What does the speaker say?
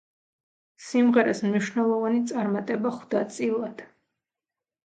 სიმღერას მნიშვნელოვანი წარმატება ხვდა წილად.